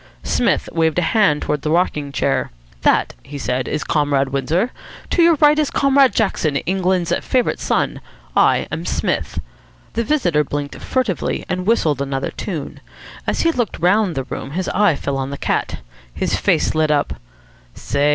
Psmith waved a hand towards the rocking chair. "That," he said, "is Comrade Windsor. To your right is Comrade Jackson, England's favourite son. I am Psmith." The visitor blinked furtively, and whistled another tune. As he looked round the room, his eye fell on the cat. His face lit up. "Say!"